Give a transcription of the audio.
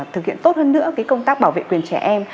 thực hiện tốt hơn nữa công tác bảo vệ quyền trẻ em